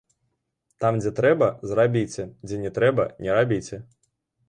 Там, дзе трэба, зрабіце, дзе не трэба, не рабіце.